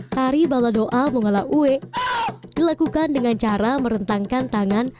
tari baladoa mongala ue dilakukan dengan cara merentangkan tangan